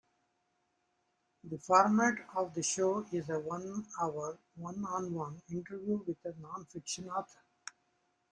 The format of the show is a one-hour, one-on-one interview with a non-fiction author.